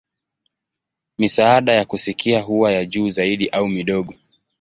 Misaada ya kusikia huwa ya juu zaidi au midogo.